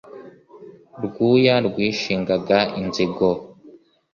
rwuya rwishingaga inzigo